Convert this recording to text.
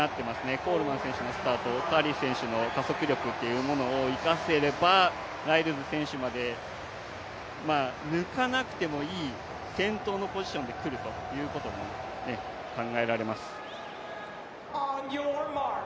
コールマン選手のスタート、カーリー選手の加速力を生かせればライルズ選手まで抜かなくてもいい先頭のポジションで来るということも考えられます。